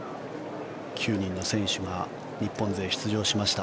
９人の選手が日本勢、出場しました。